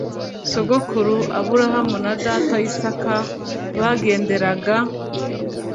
sogokuru Aburahamu na data Isaka bagenderaga